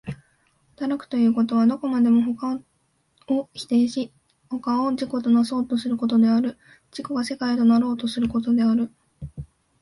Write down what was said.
働くということは、どこまでも他を否定し他を自己となそうとすることである、自己が世界となろうとすることである。